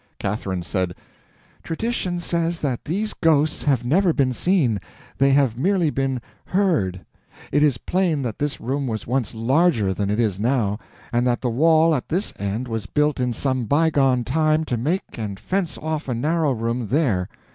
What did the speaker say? Catherine said: "Tradition says that these ghosts have never been seen—they have merely been heard. It is plain that this room was once larger than it is now, and that the wall at this end was built in some bygone time to make and fence off a narrow room there.